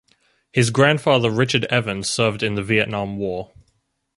His grandfather Richard Evans served in the Vietnam War.